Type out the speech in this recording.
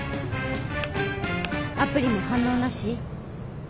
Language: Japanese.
アプリも反応なし？